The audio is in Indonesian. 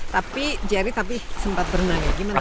tapi jerry tapi sempat berenang ya gimana